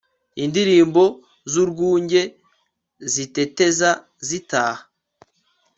indilimbo z'urwunge, ziteteza zitaha